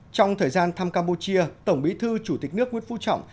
trong thời gian thăm campuchia tổng bí thư chủ tịch nước nguyễn phú trọng